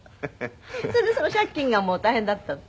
それで借金がもう大変だった？